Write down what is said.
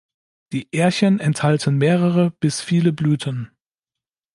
Die Ährchen enthalten mehrere bis viele Blüten.